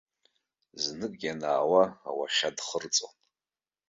Знык ианаауа ауахьад хырҵон.